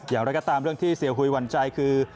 อย่างไรก็ตามเรื่องที่เสียหุยหวั่นใจคือ